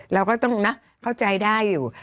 เราก็ต้องนะเข้าใจได้อยู่